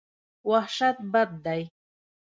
وحشت بد دی.